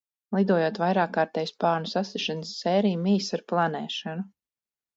Lidojot vairākkārtēja spārnu sasišanas sērija mijas ar planēšanu.